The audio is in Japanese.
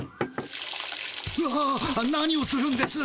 うわ何をするんです！